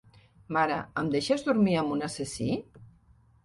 Mare, em deixes dormir amb un assassí?